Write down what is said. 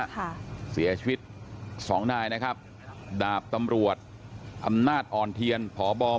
ค่ะเสียชีวิตสองนายนะครับดาบตำรวจอำนาจอ่อนเทียนพบ